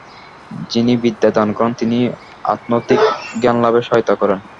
যিনি বিদ্যা দান করেন, তিনিও আধ্যাত্মিক জ্ঞানলাভের সহায়তা করেন।